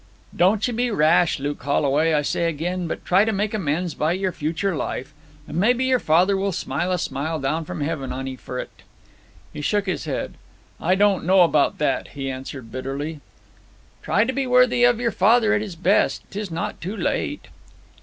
'Don't ye be rash, Luke Holway, I say again; but try to make amends by your future life. And maybe your father will smile a smile down from heaven upon 'ee for 't.' He shook his head. 'I don't know about that!' he answered bitterly. 'Try and be worthy of your father at his best. 'Tis not too late.'